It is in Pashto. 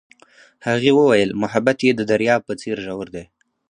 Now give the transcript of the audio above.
هغې وویل محبت یې د دریاب په څېر ژور دی.